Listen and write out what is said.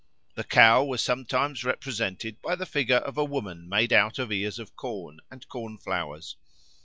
The Cow was sometimes represented by the figure of a woman made out of ears of corn and corn flowers.